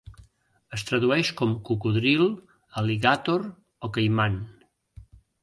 Es tradueix com cocodril, al·ligàtor o caiman.